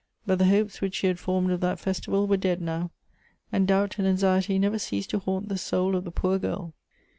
— but the hopes which she had formed of that festival were dead now, and doubt and anxiety never ceased to haunt the soul of the poor girl.